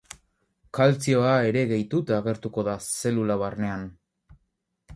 Kaltzioa ere gehituta agertuko da zelula barnean.